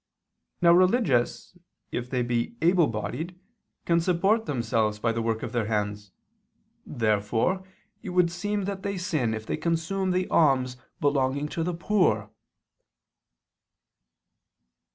Now religious if they be able bodied can support themselves by the work of their hands. Therefore it would seem that they sin if they consume the alms belonging to the poor.